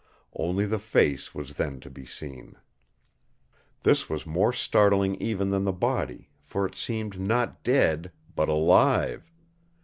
Only the face was then to be seen. This was more startling even than the body, for it seemed not dead, but alive.